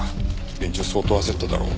連中相当焦っただろう。